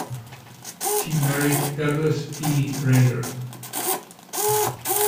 She married Douglas E. Render.